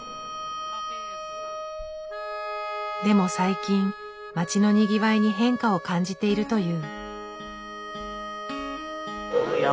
でも最近街のにぎわいに変化を感じているという。